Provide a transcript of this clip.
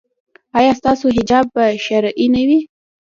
ایا ستاسو حجاب به شرعي نه وي؟